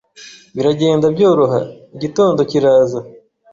Biragenda byoroha. Igitondo kiraza.